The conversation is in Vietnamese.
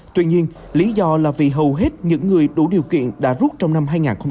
tuy nhiên lý do là vì hầu hết những người đủ điều kiện đã rút trong năm hai nghìn hai mươi